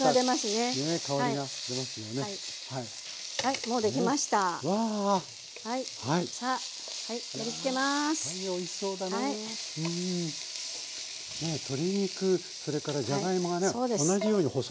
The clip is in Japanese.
ねっ鶏肉それからじゃがいもがね